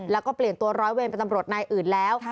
แล้วก็เปลี่ยนตัวร้อยเวรเป็นตำรวจนายอื่นแล้ว